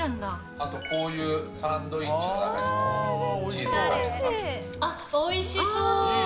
あと、こういうサンドイッチおいしそう。